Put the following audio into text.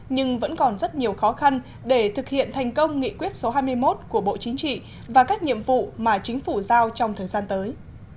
nhưng vẫn còn rất nhiều khó khăn để thực hiện thành công nghị quyết số hai mươi một của bộ chính trị và các nhiệm vụ mà chính phủ giao trong thời gian tới